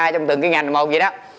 trong từng cái ngành một vậy đó